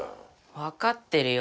わかってるよ。